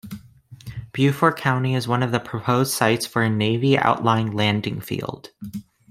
Beaufort County is one of the proposed sites for a Navy outlying landing field.